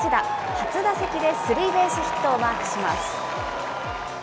初打席でスリーベースヒットをマークします。